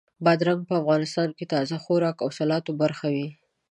بادرنګ په افغانستان کې تازه خوراک او د سالاد برخه وي.